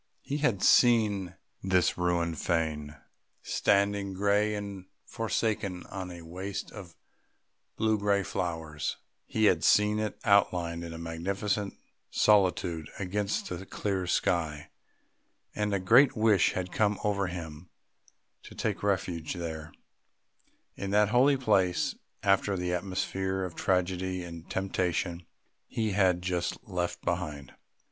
He had seen this ruined fane standing grey and forsaken on a waste of blue grey flowers; he had seen it outlined in magnificent solitude against the clear sky, and a great wish had come over him to take refuge there, in that holy place, after the atmosphere of tragedy and temptation he had just left behind.